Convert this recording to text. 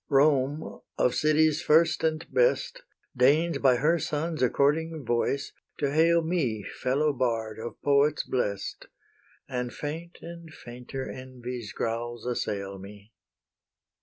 Rome, of cities first and best, Deigns by her sons' according voice to hail me Fellow bard of poets blest, And faint and fainter envy's growls assail me.